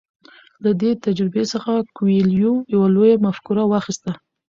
له دې تجربې څخه کویلیو یوه لویه مفکوره واخیسته.